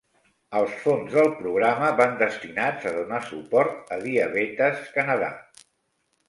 Els fons del programa van destinats a donar suport a Diabetes Canada.